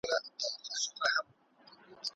تجاوز کوونکي به خامخا په خپله سزا رسیږي.